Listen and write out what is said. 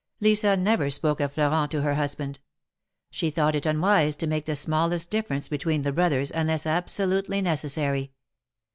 Lisa never spoke of Florent to her husband. She thought it unwise to make the smallest difference between the brothers, unless absolutely necessary.